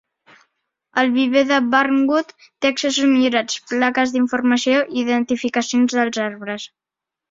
El viver de Barnwood té accessos millorats, plaques d"informació i identificacions dels arbres.